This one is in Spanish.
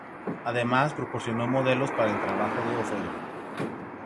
Además, proporcionó modelos para el trabajo de orfebre.